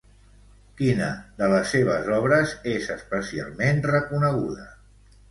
Quina de les seves obres és especialment reconeguda?